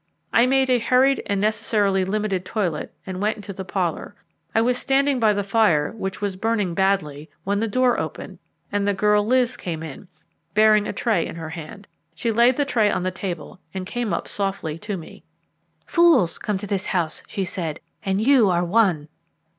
I made a hurried and necessarily limited toilet, and went into the parlour. I was standing by the fire, which was burning badly, when the door opened, and the girl Liz came in, bearing a tray in her hand. She laid the tray on the table and came up softly to me. "Fools come to this house," she said, "and you are one."